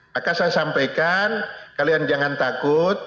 maka saya sampaikan kalian jangan takut